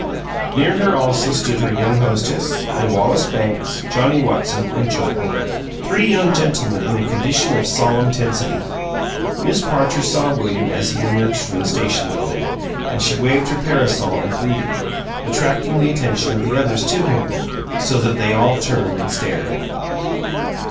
Near her also stood her young hostess, and Wallace Banks, Johnnie Watson, and Joe Bullitt three young gentlemen in a condition of solemn tensity. Miss Parcher saw William as he emerged from the station building, and she waved her parasol in greeting, attracting the attention of the others to him, so that they: all turned and stared.